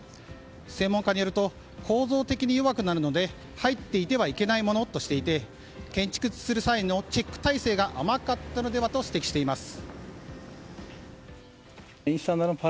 専門家によると構造的に弱くなるので入っていてはいけないものとしていて建築する際のチェック体制が甘かったのではと指摘しています。